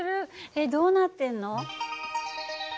えっどうなってんの？